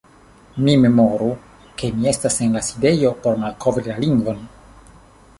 Mi memoru, ke mi estas en la sidejo por malkovri la lingvon.